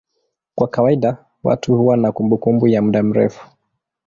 Kwa kawaida watu huwa na kumbukumbu ya muda mrefu.